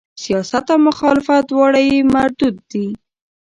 سیاست او مخالفت دواړه یې مردود دي.